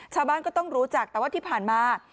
ชาวบ้านก็ต้องรู้จักแต่ว่าที่ผ่านมา